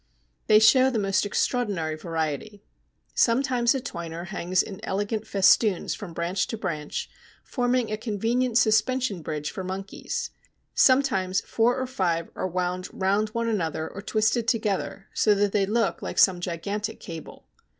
They show the most extraordinary variety. Sometimes a twiner hangs in elegant festoons from branch to branch, forming a convenient suspension bridge for monkeys. Sometimes four or five are wound round one another or twisted together, so that they look like some gigantic cable.